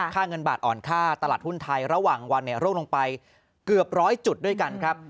ค่าเงินบาทอ่อนค่าตลาดหุ้นไทยระหว่างวันร่วงลงไปเกือบร้อยจุดด้วยกันครับ